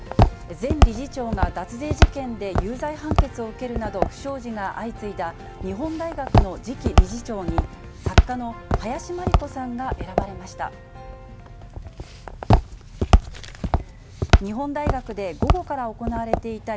前理事長が脱税事件で有罪判決を受けるなど、不祥事が相次いだ日本大学の次期理事長に、作家の林真理子さんが選ばれました。